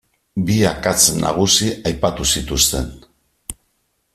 Bi akats nagusi aipatu zituzten.